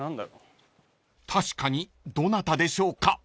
［確かにどなたでしょうか？］